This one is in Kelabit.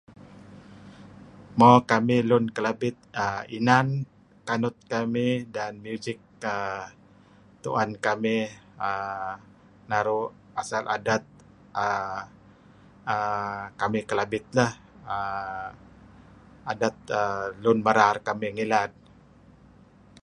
Mo kamih lun Kelabit inan kanut kamih inan dan music kamih uhm asal uhm kamih Kelabit neh uhm Adet lun merar kamih ngilad.